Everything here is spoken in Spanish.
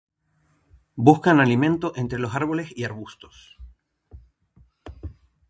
Buscan alimento entre los árboles y arbustos.